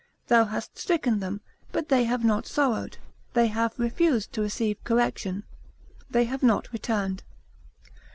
Thou hast stricken them, but they have not sorrowed; they have refused to receive correction; they have not returned.